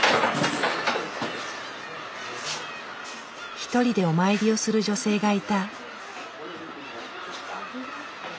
一人でお参りをする女性がいた。